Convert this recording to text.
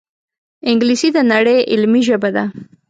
انګلیسي د نړۍ علمي ژبه ده